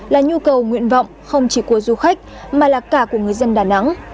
là nhu cầu nguyện vọng không chỉ của du khách mà là cả của người dân đà nẵng